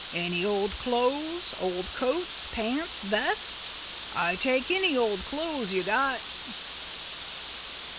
any old clothes, old coats, pants, vests? I take any old clothes you got."